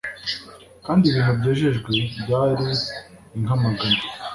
Kandi ibintu byejejwe byari inka magana